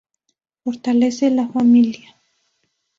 Fortalecer la Familia.